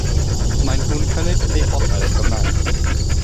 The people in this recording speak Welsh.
Mae nhw'n yn cynnig eu hoffer yn Gymraeg.